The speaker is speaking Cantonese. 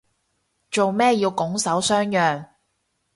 做咩要拱手相讓